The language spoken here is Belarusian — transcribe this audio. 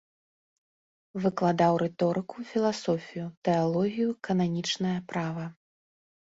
Выкладаў рыторыку, філасофію, тэалогію, кананічнае права.